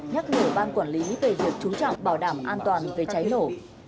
nhắc nhở ban quản lý về việc trú trọng bảo đảm an toàn về cháy lổ